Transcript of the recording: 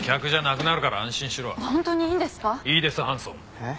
えっ？